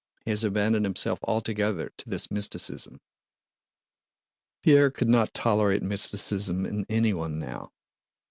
He has abandoned himself altogether to this mysticism" (Pierre could not tolerate mysticism in anyone now).